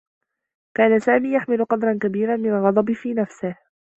كان سامي يحمل قدرا كبيرا من الغضب في نفسه.